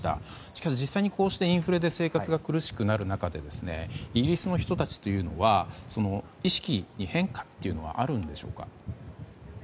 しかし実際にインフレで生活が苦しくなる中でイギリスの人たちの意識に変化はあるんでしょうか。